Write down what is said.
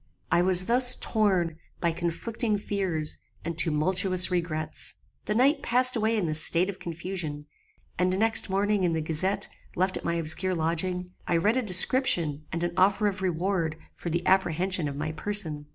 "I was thus torn by conflicting fears and tumultuous regrets. The night passed away in this state of confusion; and next morning in the gazette left at my obscure lodging, I read a description and an offer of reward for the apprehension of my person.